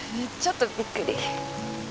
ちょっとびっくり。